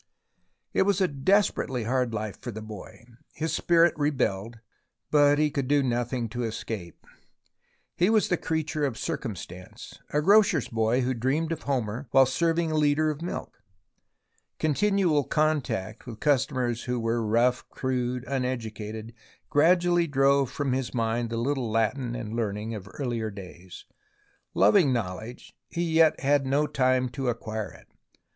It was a desperately hard life for the boy. His spirit rebelled, but he could do nothing to escape. He was the creature of circumstance, a grocer's boy who dreamed of Homer while serving a litre THE ROMANCE OF EXCAVATION 163 of milk. Continual contact with customers who were rough, crude, uneducated, gradually drove from his mind the little Latin and learning of earlier days. Loving knowledge, he yet had no time to acquire it.